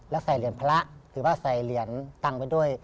แล้วใส่เหรียญพระถือว่าใส่เหรียญตังค์ไปด้วย